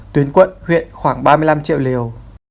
tuyến quận huyện khoảng ba mươi năm triệu liều